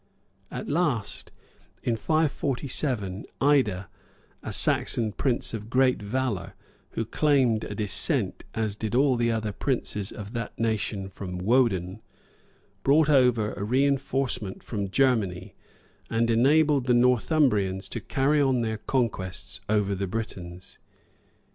At last, in 547,[*] Ida, a Saxon prince of great valor,[] who claimed a descent, as did all the other princes of that nation, from Woden, brought over a reénforcement from Germany, and enabled the Northumbrians to carry on their conquests over the Britons.